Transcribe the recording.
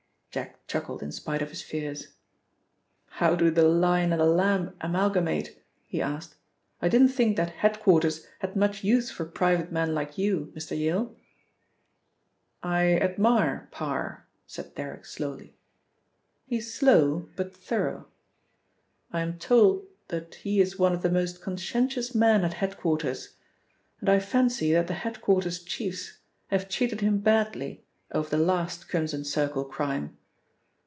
Jack chuckled in spite of his fears. "How do the lion and the lamb amalgamate?" he asked. "I didn't think that head quarters had much use for private men like you, Mr. Yale?" "I admire Parr," said Derrick slowly. "He's slow, but thorough. I am told that he is one of the most conscientious men at head quarters, and I fancy that the head quarters chiefs have treated him badly over the last Crimson Circle crime.